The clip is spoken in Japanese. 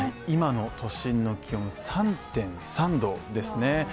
今の都心の気温、３．３度ですね。